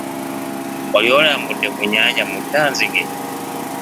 Wali olambuddeko ku nnyanja Muttanzige?